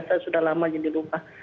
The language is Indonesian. saya sudah lama jadi lupa